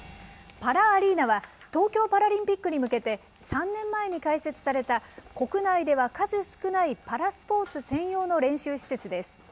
パラアリーナは、東京パラリンピックに向けて、３年前に開設された、国内では数少ない、パラスポーツ専用の練習施設です。